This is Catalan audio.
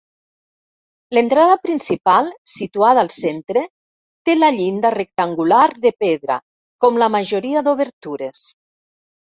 L’entrada principal, situada al centre, té la llinda rectangular de pedra, com la majoria d’obertures.